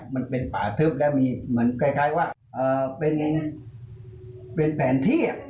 มันเป็นป่าทึบแล้วมีเหมือนคล้ายว่าเป็นแผนที่